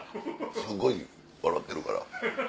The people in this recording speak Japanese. すごい笑てるから。